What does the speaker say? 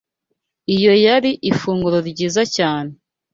Iyo yari ifunguro ryiza cyane.